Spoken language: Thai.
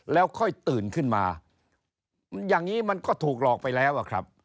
แล้วค่อยตื่นขึ้นมามันอย่างนี้มันก็ถูกหลอกไปแล้วอะครับ